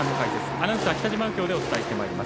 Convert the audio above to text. アナウンサーは北嶋右京でお伝えします。